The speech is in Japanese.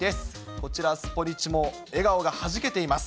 こちら、スポニチも笑顔がはじけています。